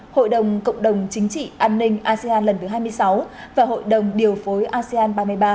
hội đồng cộng đồng chính trị an ninh asean lần thứ hai mươi sáu và hội đồng điều phối asean ba mươi ba